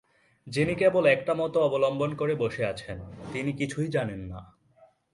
যিনি কেবল একটা মত অবলম্বন করে বসে আছেন, তিনি কিছুই জানেন না।